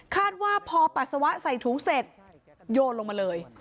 คาดว่าพอปัสสาวะใส่ถุงเสร็จโยนลงมาเลย